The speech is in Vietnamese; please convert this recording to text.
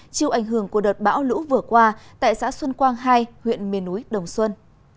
chiêu ảnh hưởng của đợt bão lũ vừa qua tại xã xuân quang hai huyện mê núi đồng xuân